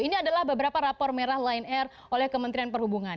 ini adalah beberapa rapor merah lion air oleh kementerian perhubungan